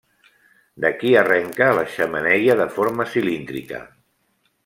D'aquí arrenca la xemeneia de forma cilíndrica.